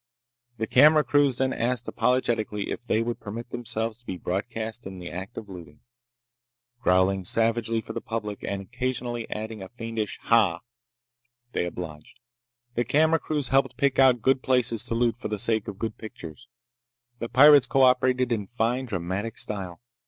The camera crews then asked apologetically if they would permit themselves to be broadcast in the act of looting. Growling savagely for their public, and occasionally adding even a fiendish "Ha!" they obliged. The camera crews helped pick out good places to loot for the sake of good pictures. The pirates co operated in fine dramatic style.